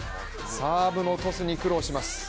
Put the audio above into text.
サーブのトスに苦労します。